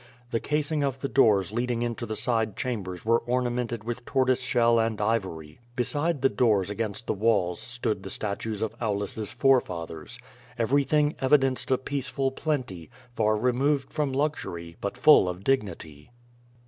The cas ing of the doors leading into the side chambers were orna mented with tortoise shell and ivory. Beside the doors against the walls stood the statues of Aulus's forefathers. Everything evidenced a peaceful plenty, far removed from luxury, but full of dignity.